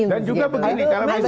dan juga begini